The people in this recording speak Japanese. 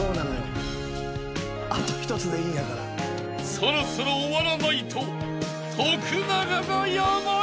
［そろそろ終わらないと徳永がヤバい］